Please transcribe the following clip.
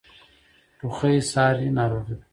ټوخی ساری ناروغۍ ده.